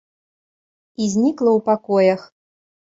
І знікла ў пакоях.